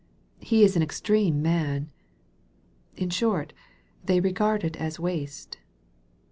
" He is an extreme man." In short, they regard it as " waste."